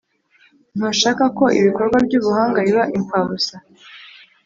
Ntushaka ko ibikorwa by’Ubuhanga biba impfabusa,